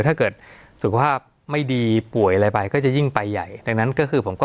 ถ้าเกิดสุขภาพไม่ดีป่วยอะไรไปก็จะยิ่งไปใหญ่ดังนั้นก็คือผมก็